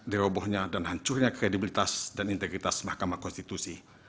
puncak dirobohnya dan hancurnya kredibilitas dan integritas mahkamah konstitusi adalah keadilan